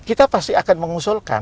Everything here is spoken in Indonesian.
kita pasti akan mengusulkan